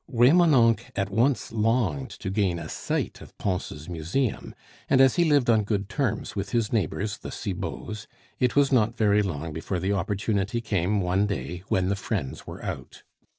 Remonencq at once longed to gain a sight of Pons' museum; and as he lived on good terms with his neighbors the Cibots, it was not very long before the opportunity came one day when the friends were out.